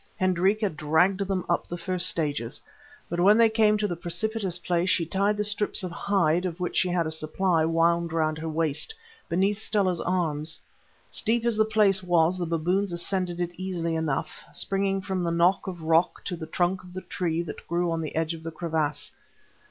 Hendrika dragged them up the first stages, but when they came to the precipitous place she tied the strips of hide, of which she had a supply wound round her waist, beneath Stella's arms. Steep as the place was the baboons ascended it easily enough, springing from a knob of rock to the trunk of the tree that grew on the edge of the crevasse.